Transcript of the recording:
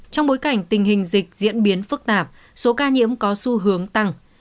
trong bối cảnh tình hình dịch diễn biến phức tạp số ca nhiễm có xu hướng tăng